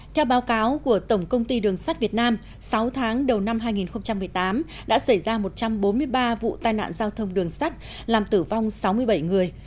theo báo cáo của tổng công ty đường sắt việt nam sáu tháng đầu năm hai nghìn một mươi tám đã xảy ra một trăm bốn mươi ba vụ tai nạn giao thông đường sắt làm tử vong sáu mươi bảy người